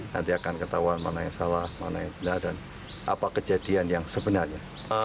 nanti akan ketahuan mana yang salah mana yang benar dan apa kejadian yang sebenarnya